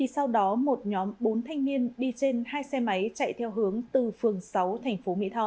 sau đó một nhóm bốn thanh niên đi trên hai xe máy chạy theo hướng từ phường sáu thành phố mỹ tho